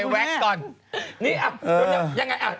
นี่อย่างงี้อะไรนะอาจฉูกอย่างงี้ก็ไม่ดี